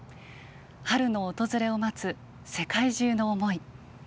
春の訪れを待つ、世界中の思い。